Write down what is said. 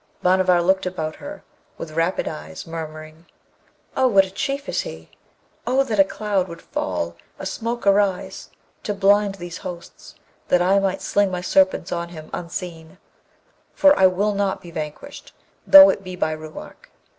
Bhanavar looked about her with rapid eyes, murmuring, 'Oh, what a Chief is he! Oh that a cloud would fall, a smoke arise, to blind these hosts, that I might sling my serpents on him unseen, for I will not be vanquished, though it be by Ruark!'